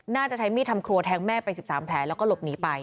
ใช้มีดทำครัวแทงแม่ไป๑๓แผลแล้วก็หลบหนีไป